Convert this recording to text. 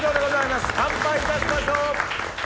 乾杯いたしましょう。